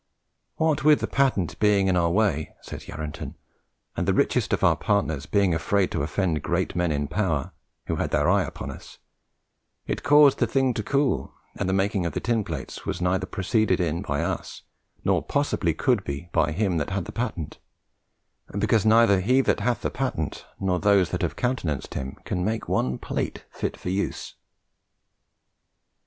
"What with the patent being in our way," says Yarranton, "and the richest of our partners being afraid to offend great men in power, who had their eye upon us, it caused the thing to cool, and the making of the tin plates was neither proceeded in by us, nor possibly could be by him that had the patent; because neither he that hath the patent, nor those that have countenanced him, can make one plate fit for use."